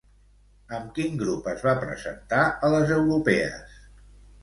Amb quin grup es va presentar a les europees?